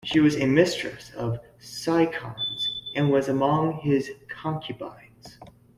She was a mistress of Physcon's and was among his concubines.